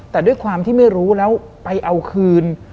แต่ด้วยความที่ไม่รู้แล้วไปเอาคืน